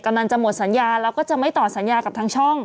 กำลังจะหมดสัญญาแล้วก็จะไม่ต่อสัญญากับทางช่อง